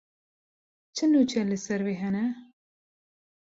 Çi nûçe li ser vê hene.